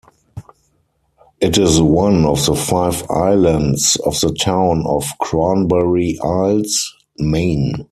It is one of the five islands of the town of Cranberry Isles, Maine.